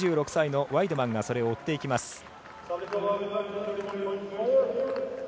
２６歳のワイデマンがそれを追っていきます。